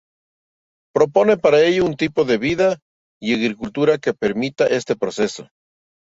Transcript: Propone para ello un tipo de vida y agricultura que permita este proceso.